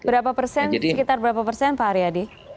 berapa persen sekitar berapa persen pak haryadi